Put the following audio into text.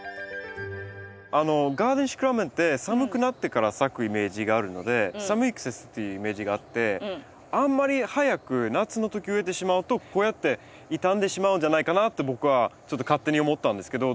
ガーデンシクラメンって寒くなってから咲くイメージがあるので寒い季節っていうイメージがあってあんまり早く夏の時植えてしまうとこうやって傷んでしまうんじゃないかなと僕はちょっと勝手に思ったんですけど。